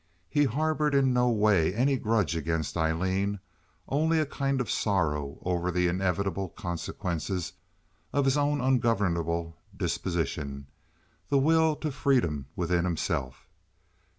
He harbored in no way any grudge against Aileen—only a kind of sorrow over the inevitable consequences of his own ungovernable disposition, the will to freedom within himself.